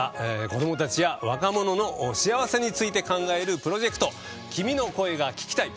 子どもたちや若者の幸せについて考えるプロジェクト「君の声が聴きたい」。